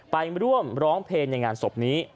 ไปร่วมร้องเพลงในงานศพนี้